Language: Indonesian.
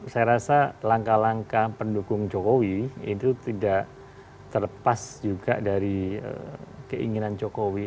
saya rasa langkah langkah pendukung jokowi itu tidak terlepas juga dari keinginan jokowi